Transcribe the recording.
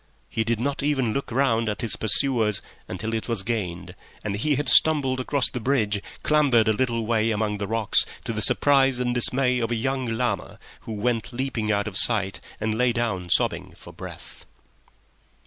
He did not even look round at his pursuers until it was gained, and he had stumbled across the bridge, clambered a little way among the rocks, to the surprise and dismay of a young llama, who went leaping out of sight, and lay down sobbing for breath.